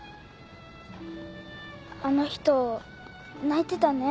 あの人泣いてたね。